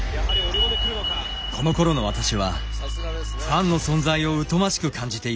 このころの私はファンの存在を疎ましく感じていました。